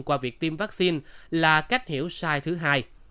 qua việc tiêm vaccine là cách hiểu sai thứ hai